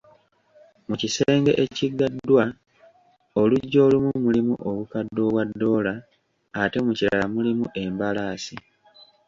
Mu kisenge ekiggaddwa oluggi olumu mulimu obukadde obwa doola, ate mu kirala mulimu embalaasi.